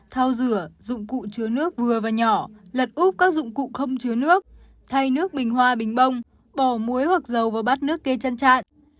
thao rửa dụng cụ chứa nước vừa và nhỏ lật úp các dụng cụ không chứa nước thay nước bình hoa bình bông bỏ muối hoặc dầu vào bát nước kê chăn chạy